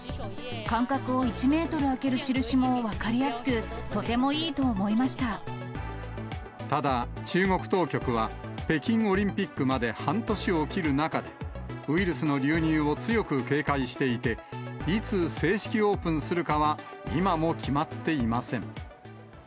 間隔を１メートル空ける印も分かりやすく、とてもいいと思いましただ、中国当局は北京オリンピックまで半年を切る中で、ウイルスの流入を強く警戒していて、いつ正式オープンするかは今も決まっていません。